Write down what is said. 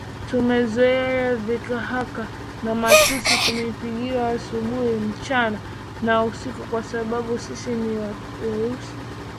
Tumezoea dhihaka na matusi tumepigwa asubuhi mchana na usiku kwa sababu sisi ni weusi